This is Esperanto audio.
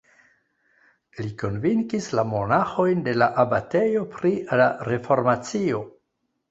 Li konvinkis la monaĥojn de la abatejo pri la reformacio.